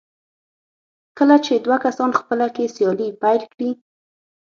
کله چې دوه کسان خپله کې سیالي پيل کړي.